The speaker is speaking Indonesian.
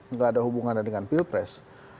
nggak ada hubungannya dengan pilpres